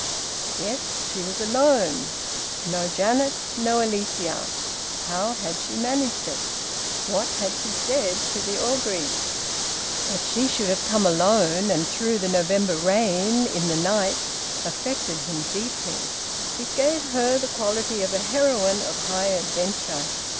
Yes, she was alone. No Janet! No Alicia! How had she managed it? What had she said to the Orgreaves? That she should have come alone, and through the November rain, in the night, affected him deeply. It gave her the quality of a heroine of high adventure.